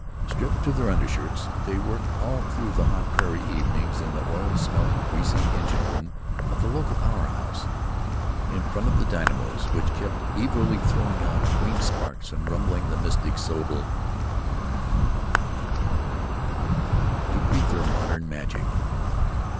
Stripped to their undershirts, they worked all through the hot prairie evenings in the oil smelling, greasy engine room of the local power house, in front of the dynamos, which kept evilly throwing out green sparks and rumbling the mystic syllable "Om m m m," to greet their modern magic.